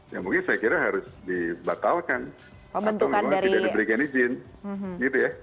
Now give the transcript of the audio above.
ya mungkin saya kira harus dibatalkan atau memang tidak diberikan izin gitu ya